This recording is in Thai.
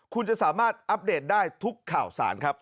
คุณจะสามารถอัปเดตได้ทุกข่าวสารครับ